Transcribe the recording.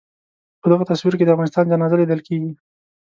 په دغه تصویر کې د افغانستان جنازه لیدل کېږي.